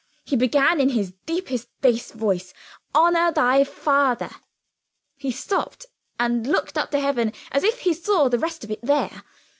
He began in his deepest bass voice: 'Honor thy father ' He stopped and looked up to heaven as if he saw the rest of it there.